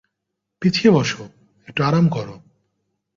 পিছিয়ে বসো, একটু আরাম করো।